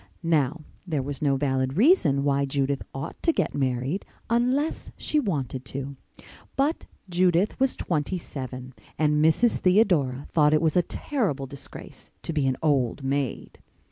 Now, there was no valid reason why Judith ought to get married unless she wanted to. But Judith was twenty seven and Mrs. Theodora thought it was a terrible disgrace to be an old maid.